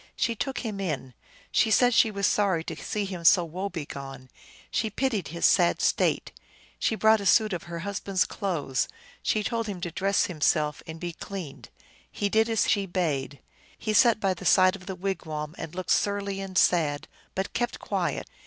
She took him in ; she said she was sorry to see him so woe begone ; she pitied his sad state; she brought a suit of her husband s clothes ; she told him to dress himself and be cleaned. He did as she bade. He sat by the side of the wigwam, and looked surly and sad, but kept quiet.